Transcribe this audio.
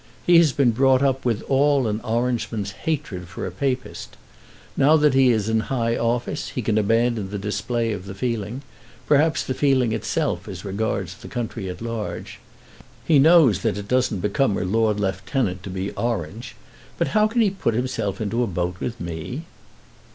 He has been brought up with all an Orangeman's hatred for a Papist. Now that he is in high office, he can abandon the display of the feeling, perhaps the feeling itself as regards the country at large. He knows that it doesn't become a Lord Lieutenant to be Orange. But how can he put himself into a boat with me?"